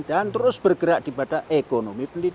dan terus bergerak di ekonomi pendidikan